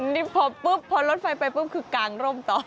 นี่พอลดไฟไปคือกลางร่มต่อ